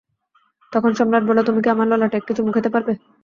তখন সম্রাট বলল, তুমি কি আমার ললাটে একটি চুমু খেতে পারবে।